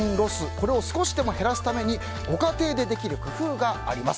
これを少しでも減らすためにご家庭でできる工夫があります。